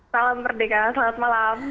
salam merdeka selamat malam